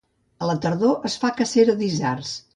A la tardor es fa cacera d'isards.